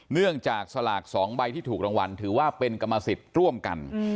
เนื่องจากสลาก๒ใบที่ถูกรางวัลถือว่าเป็นกรรมสิทธิ์ร่วมกัน